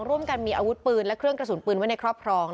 ร่วมกันมีอาวุธปืนและเครื่องกระสุนปืนไว้ในครอบครอง